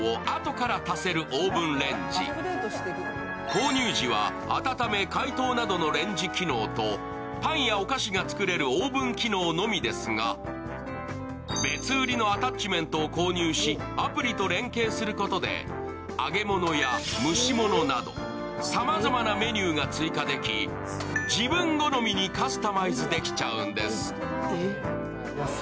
購入時はあたため、解凍などのレンジ機能と、パンやお菓子が作れるオーブン機能のみですが別売りのアタッチメントを購入し、アプリと連携することで揚げ物や蒸し物などさまざまなメニューが追加でき自分好みにカスタマイズできちゃうんです。